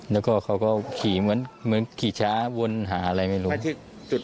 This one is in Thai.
แล้วก็เขาก็ขี่เหมือนขี่ช้าวนหาอะไรไม่รู้